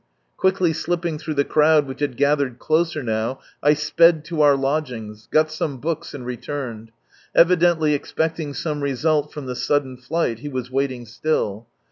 Quickly slipping through the crowd which had gathered closer now, I sped to our lodgings, got some books, and returned. Evidently expecting some result from the sudden flight, he was waiting still.